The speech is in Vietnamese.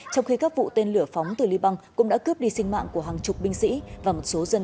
trong khi các vụ tên lửa phóng từ liban cũng đã cướp đi sinh mạng của hàng chục binh sĩ và một số dân